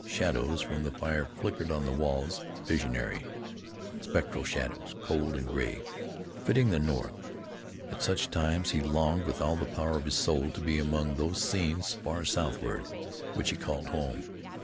Shadows from the fire flickered on the walls, visionary, spectral shadows, cold and gray, fitting the north. At such times he longed with all the power of his soul to be among those scenes far southward, which he called home.